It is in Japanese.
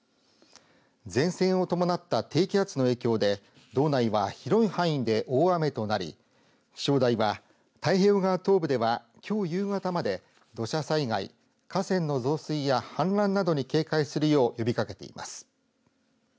前線を伴った低気圧の影響で道内は広い範囲で大雨となり気象台は、太平洋側東部ではきょう夕方まで、土砂災害河川の増水や氾濫などに警戒するよう呼びかけています。